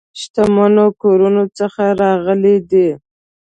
شتمنو کورونو څخه راغلي دي.